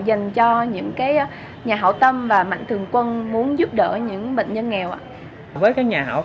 dành cho những cái nhà hảo tâm và mạnh thượng quân muốn giúp đỡ những bệnh nhân nghèo ạ